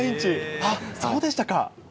ああ、そうでしたか。